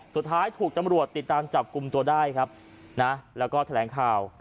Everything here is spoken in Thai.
สุดท้ายถูกตำรวจติดตามจับกลุ่มตัวได้ครับนะแล้วก็แถลงข่าว